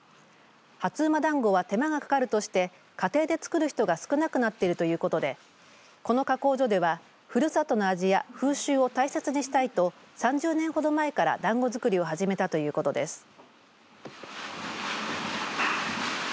初午だんごは手間がかかるとして家庭で作る人が少なくなっているということでこの加工所ではふるさとの味や風習を大切にしたいと３０年ほど前から団子作りを始めたということです。